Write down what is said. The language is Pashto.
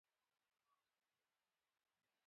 پېیر کوري د وسایلو پاکوالي یقیني کړ.